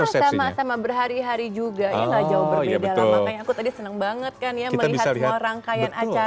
sama sama sama berhari hari juga